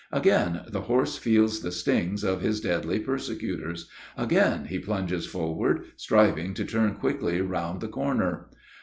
Again the horse feels the stings of his deadly persecutors; again he plunges forward, striving to turn quickly round the corner.